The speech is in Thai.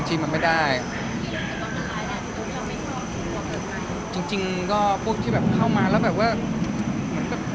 จริงก็พวกที่เข้ามาและแบบว่า